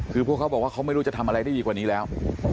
คือพวกเขาบอกว่าเขาไม่รู้จะทำอะไรได้ดีกว่านี้แล้ว